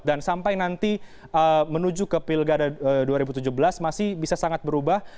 dan sampai nanti menuju ke pilgada dua ribu tujuh belas masih bisa sangat berubah